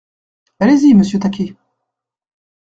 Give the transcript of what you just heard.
Allez-y, monsieur Taquet.